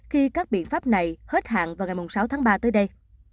khi các biện pháp này hết hạn vào ngày sáu tháng ba tới đây